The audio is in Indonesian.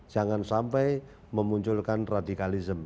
jangan sampai memunculkan radikalisme